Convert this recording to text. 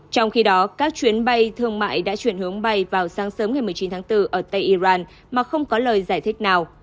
trong khi đó các chuyến bay thương mại đã chuyển hướng bay vào sáng sớm ngày một mươi chín tháng bốn ở tây iran mà không có lời giải thích nào